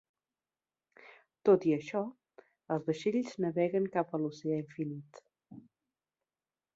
Tot i això, els vaixells naveguen cap a l'oceà infinit.